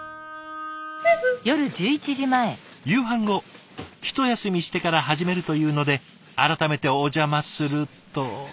夕飯後一休みしてから始めるというので改めてお邪魔すると。